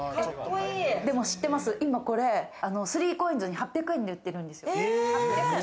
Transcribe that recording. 今これスリーコインズに８００円で売ってるんですよ。